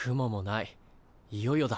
いよいよだ。